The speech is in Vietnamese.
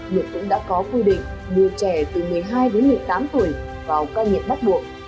luật cũng đã có quy định đưa trẻ từ một mươi hai đến một mươi tám tuổi vào ca nghiện bắt buộc